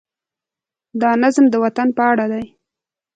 دا نظم د وطن په اړه دی.